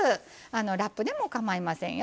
ラップでもかまいませんよ。